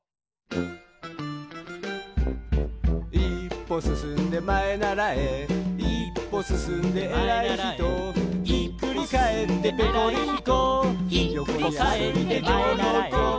「いっぽすすんでまえならえ」「いっぽすすんでえらいひと」「ひっくりかえってぺこりんこ」「よこにあるいてきょろきょろ」